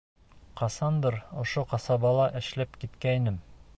Ҡасандыр ошо ҡасабала эшләп киткәйнем.